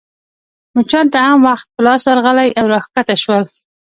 مچانو ته هم وخت په لاس ورغلی او راکښته شول.